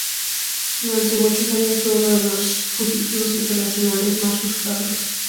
Durante muchos años fue uno de los fugitivos internacionales más buscados.